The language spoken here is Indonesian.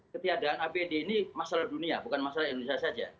ketiadaan apd ini masalah dunia bukan masalah indonesia saja